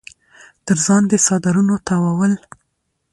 تر ځان د څادرنو تاوول